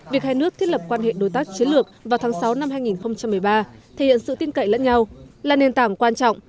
việc hai nước thiết lập quan hệ đối tác chiến lược vào tháng sáu năm hai nghìn một mươi ba thể hiện sự tin cậy lẫn nhau là nền tảng quan trọng